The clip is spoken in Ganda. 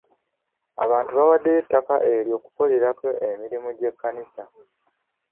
Abantu bawaddeyo ettaka ery'okukolerako emirimu gy'ekkanisa.